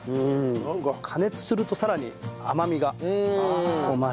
加熱するとさらに甘みが増して。